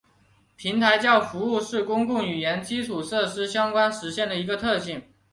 平台叫用服务是公共语言基础设施相关实现的一个特性。